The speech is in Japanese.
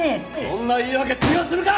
そんな言い訳通用するか！